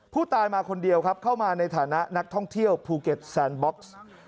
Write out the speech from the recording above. ผู้ตายมาคนเดียวครับเข้ามาในฐานะนักท่องเที่ยวภูเก็ตแซนบ็อกซ์